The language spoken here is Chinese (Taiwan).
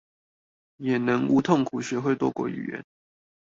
也能無痛苦學會多國外語